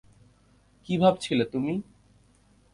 কী ভাবছিলে তুমি?